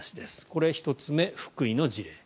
これが１つ目、福井の事例。